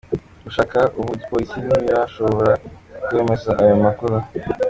Gushika ubu igipolisi ntikirashobora kwemeza ayo makuru.